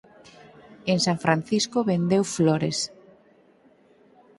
En San Francisco vendeu flores.